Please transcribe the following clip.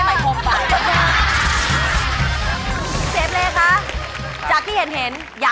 หมวกปีกดีกว่าหมวกปีกดีกว่า